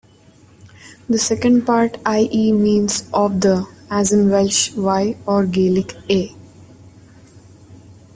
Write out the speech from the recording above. The second part "-ie-", means "of the", as in Welsh "y" or Gaelic "a"'.